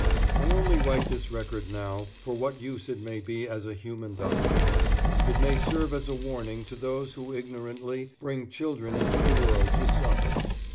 I only write this record now for what use it may be as a human document. It may serve as a warning to those who ignorantly bring children into the world to suffer.